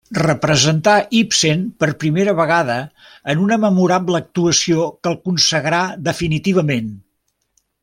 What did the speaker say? Representà Ibsen per primera vegada en una memorable actuació que el consagrà definitivament.